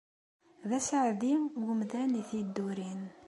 D aseɛdi umdan i t-iddurin.